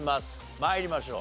参りましょう。